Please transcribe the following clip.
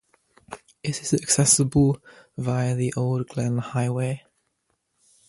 It is accessible via the Old Glenn Highway.